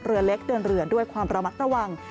เรือเล็กเดินเรือด้วยความระมัดระวัง